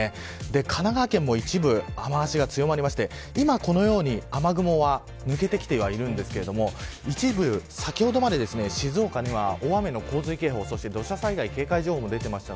神奈川県も一部雨脚が強まって今このように雨雲が抜けてきていますが一部、先ほどまで静岡には大雨洪水警報と土砂災害警戒情報が出ていました。